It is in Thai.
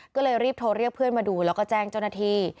ก็เลยรีบโทรเรียกเพื่อนมาดูแล้วก็แจ้งเจ้าหน้าที่